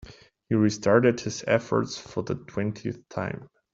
He restarted his efforts for the twentieth time.